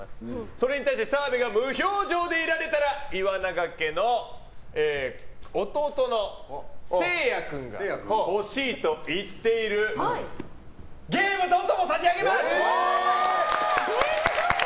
それに対して、澤部が無表情でいられたら岩永家の弟のセイヤ君が欲しいと言っているゲームソフトを差し上げます！